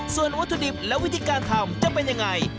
ส่วนวัตถุดิบและวิธีการทำจะเป็นยังไง